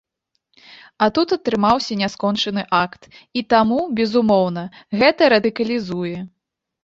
А тут атрымаўся няскончаны акт, і таму, безумоўна, гэта радыкалізуе.